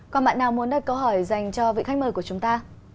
còn bạn nào muốn đặt câu hỏi dành cho vị khách mời của chúng ta